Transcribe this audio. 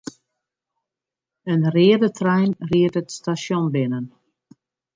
In reade trein ried it stasjon binnen.